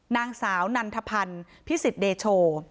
นางสาวนันทพันธ์พิสิทธิเดโช